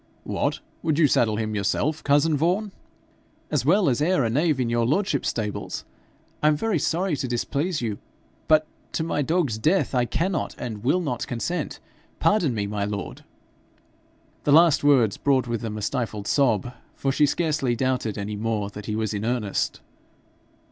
'What! would you saddle him yourself, cousin Vaughan?' 'As well as e'er a knave in your lordship's stables. I am very sorry to displease you, but to my dog's death I cannot and will not consent. Pardon me, my lord.' The last words brought with them a stifled sob, for she scarcely doubted any more that he was in earnest.